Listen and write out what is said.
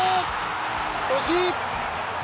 惜しい！